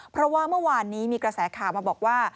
เพราะว่าเมื่อวานนี้มีกระแสข่าวมาบอกว่า